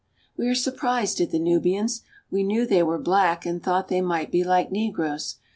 We are surprised at the Nubians. We knew they were black and thought they might be like negroes.